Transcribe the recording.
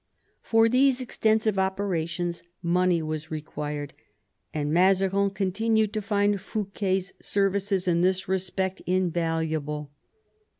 For these extensive operations money was required, and Mazarin continued to find Fouquet's services in this respect invaluable.